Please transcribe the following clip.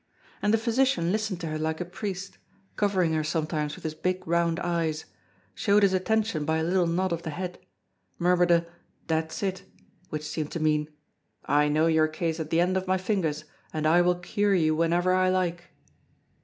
And the physician listened to her like a priest, covering her sometimes with his big round eyes, showed his attention by a little nod of the head, murmured a "That's it," which seemed to mean, "I know your case at the end of my fingers, and I will cure you whenever I like."